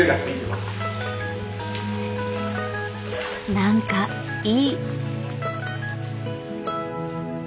何かいい。